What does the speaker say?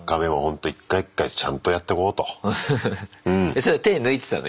それ手抜いてたの？